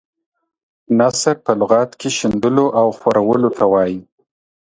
نثر په لغت کې شیندلو او خورولو ته وايي.